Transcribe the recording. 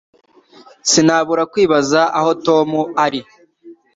Sinabura kwibaza aho Tom ari